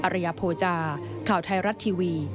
อรัยโภจาข่าวท้ายรัดทีวี